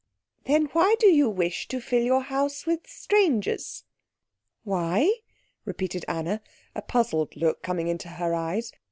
"Then why do you wish to fill your house with strangers?" "Why?" repeated Anna, a puzzled look coming into her eyes.